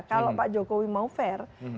kalau pak jokowi mau fair